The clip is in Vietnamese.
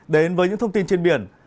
đến với những thông tin trên biển